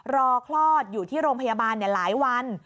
คลอดอยู่ที่โรงพยาบาลหลายวัน